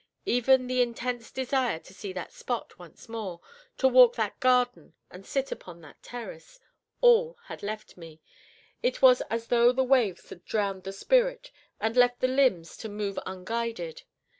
Even the intense desire to see that spot once more, to walk that garden and sit upon that terrace, all had left me; it was as though the waves had drowned the spirit, and left the limbs to move unguided.